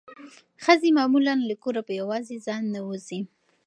ښځې معمولا له کوره په یوازې ځان نه وځي.